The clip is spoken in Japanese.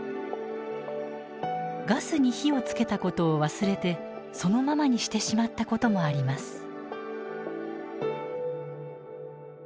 ガスに火をつけたことを忘れてそのままにしてしまったこともあります。